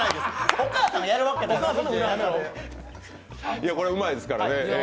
お母さんがやるわけないですよ。